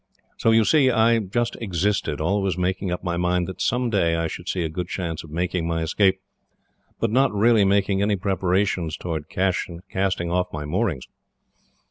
So you see, I just existed, always making up my mind that some day I should see a good chance of making my escape, but not really making any preparations towards casting off my moorings.